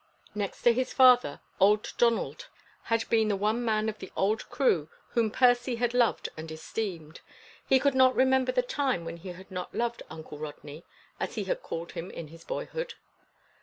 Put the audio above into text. Next to his father, old Donald had been the one man of the old crew whom Percy had loved and esteemed. He could not remember the time when he had not loved "Uncle Rodney" as he had called him in his boyhood.